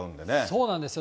そうなんですよ。